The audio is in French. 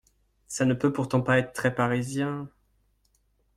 Ça ne peut pourtant pas être très parisien…